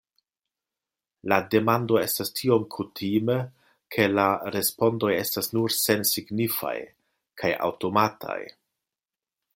La demando estas tiom kutime, ke la respondoj estas nur sensignifaj kaj aŭtomataj.